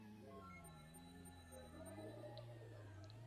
fulani cha utegemeaji wa kiakili kwa athari za dawa za kulevya